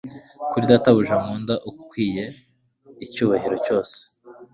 kuri databuja nkunda ukwiye icyubahiro cyose